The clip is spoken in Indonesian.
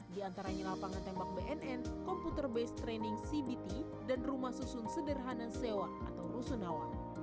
diantaranya lapangan tembak bnn komputer based training cbt dan rumah susun sederhana sewa atau rusun awal